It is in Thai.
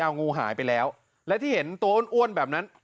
งูหายไปแล้วและที่เห็นตัวอ้วนแบบนั้น